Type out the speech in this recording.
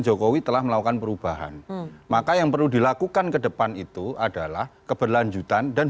jokowi telah melakukan perubahan maka yang perlu dilakukan kedepan itu adalah keberlanjutan dan